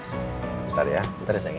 bentar ya bentar ya sayang ya